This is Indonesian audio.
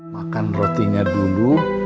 makan rotinya dulu